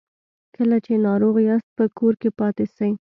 کله چې ناروغ یاست په کور کې پاتې سئ